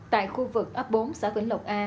tại khu vực ấp bốn xã vĩnh lộc a